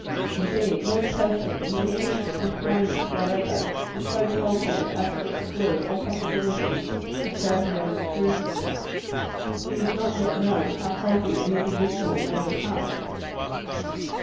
Indeed, no person, in any employment whatever, is so healthy as to exclude all possibility of further improvement. It is not yet known how healthy an individual may become.